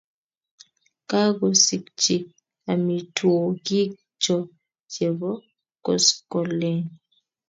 kakosikchi amitwokikchoo chebo koskoleny